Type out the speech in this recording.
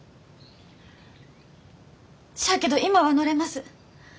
しゃあけど今は乗れます。